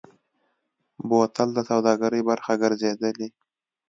بوتل د سوداګرۍ برخه ګرځېدلی.